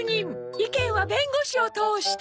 意見は弁護士を通して。